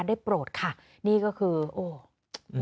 ด้วยโปรดค่ะนี่ก็คือนี่ก็เป็น